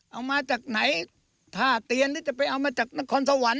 เอามาจากไหนท่าเตียนหรือจะไปเอามาจากนครสวรรค์